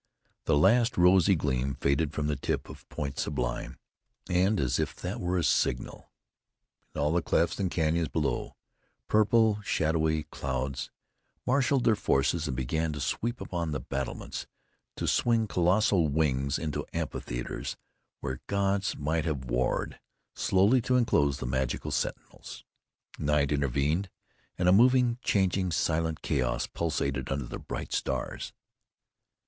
The last rosy gleam faded from the tip of Point Sublime; and as if that were a signal, in all the clefts and canyons below, purple, shadowy clouds marshaled their forces and began to sweep upon the battlements, to swing colossal wings into amphitheaters where gods might have warred, slowly to enclose the magical sentinels. Night intervened, and a moving, changing, silent chaos pulsated under the bright stars.